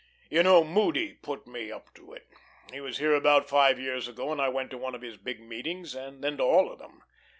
You know Moody put me up to it. He was here about five years ago, and I went to one of his big meetings, and then to all of them.